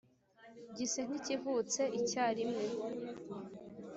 Gise nk`ikivutse icyarimwe